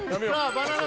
バナナ